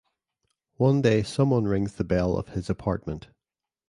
One day someone rings the bell of his apartment.